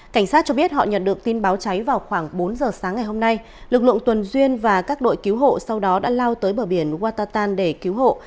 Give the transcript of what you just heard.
cảnh sát cho biết họ nhận được tin báo cháy vào khoảng bốn giờ sáng ngày hôm nay lực lượng tuần duyên và các đội cứu hộ sau đó đã lao tới bờ biển watatan để cứu hộ